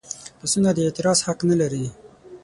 پسونه د اعتراض حق نه لري.